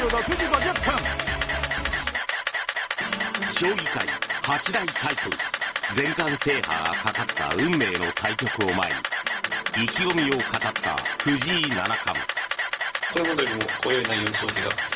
将棋界八大タイトル全冠制覇がかかった運命の対局を前に意気込みを語った藤井七冠。